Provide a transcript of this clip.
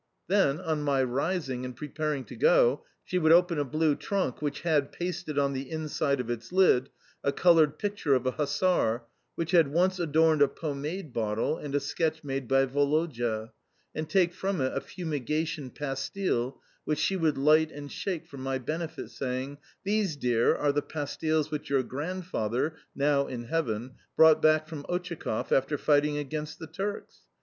Then, on my rising, and preparing to go, she would open a blue trunk which had pasted on the inside of its lid a coloured picture of a hussar which had once adorned a pomade bottle and a sketch made by Woloda, and take from it a fumigation pastille, which she would light and shake for my benefit, saying: "These, dear, are the pastilles which your grandfather (now in Heaven) brought back from Otchakov after fighting against the Turks."